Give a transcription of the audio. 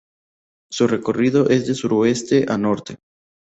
Su recorrido es de suroeste a norte.